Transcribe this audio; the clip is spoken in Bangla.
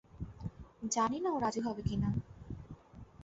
জানি না ও রাজি হবে কিনা।